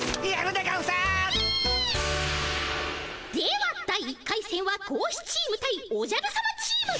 では第１回せんは貴公子チーム対おじゃるさまチーム。